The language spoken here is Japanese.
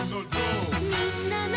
「みんなの」